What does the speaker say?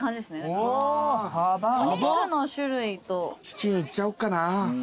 チキンいっちゃおうかな。